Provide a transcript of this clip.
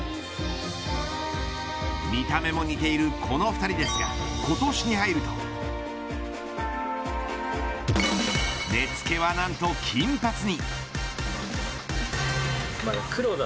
見た目も似ているこの２人ですが今年に入ると根附は何と金髪に。